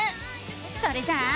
それじゃあ。